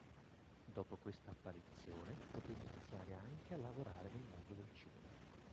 Dopo questa apparizione poté iniziare anche a lavorare nel mondo del cinema.